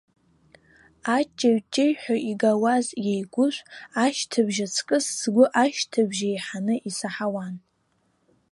Аҷеҩ-аҷеҩҳәа игауаз иеигәышә ашьҭыбжь аҵкыс сгәы ашьҭыбжь еиҳаны исаҳауан.